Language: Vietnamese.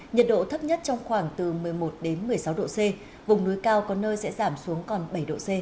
nhiệt độ thấp nhất trong khoảng từ một mươi một đến một mươi sáu độ c vùng núi cao có nơi sẽ giảm xuống còn bảy độ c